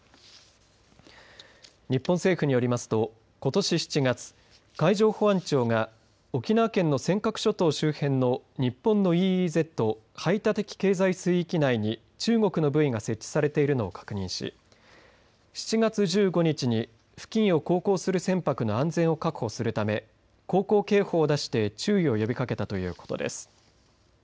日本政府によりますとことし７月海上保安庁が沖縄県の尖閣諸島周辺の日本のＥＥＺ排他的経済水域内に中国のブイが設置されているのを確認し７月１５日に付近を航行する船舶の安全を確保するため航行警報を出して注意を呼びかけたということです。